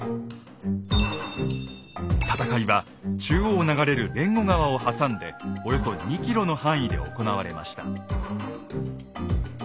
戦いは中央を流れる連吾川を挟んでおよそ２ｋｍの範囲で行われました。